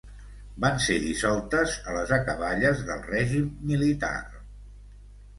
Van ser dissoltes a les acaballes del règim militar.